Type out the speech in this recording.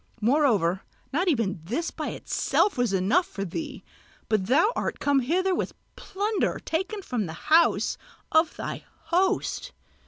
Moreover not even this by itself was enough for thee, but thou art come hither with plunder taken from the house of thy host.